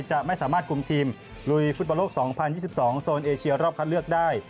จะไม่สามารถคุมทีมลุยฟุตบอลโลก๒๐๒๒โซนเอเชียรอบคัดเลือกได้